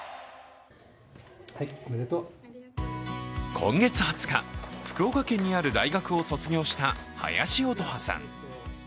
今月２０日、福岡県にある大学を卒業した林音初さん。